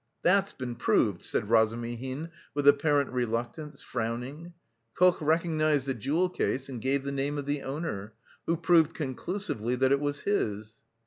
"That's been proved," said Razumihin with apparent reluctance, frowning. "Koch recognised the jewel case and gave the name of the owner, who proved conclusively that it was his."